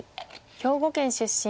兵庫県出身。